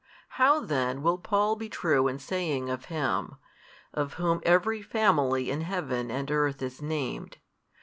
How then will Paul be true in saying of Him, Of Whom every family in Heaven and earth is named?